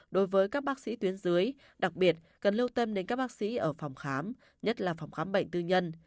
đối với các bác sĩ tuyến dưới đặc biệt cần lưu tâm đến các bác sĩ ở phòng khám nhất là phòng khám bệnh tư nhân